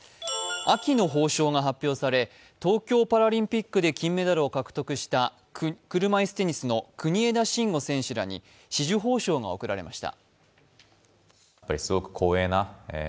秋の褒章が発表され、東京パラリンピックで金メダルを獲得した車いすテニスの国枝慎吾選手らに紫綬褒章が贈られました。